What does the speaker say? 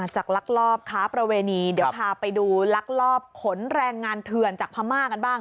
ลักลอบค้าประเวณีเดี๋ยวพาไปดูลักลอบขนแรงงานเถื่อนจากพม่ากันบ้าง